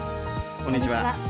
こんにちは。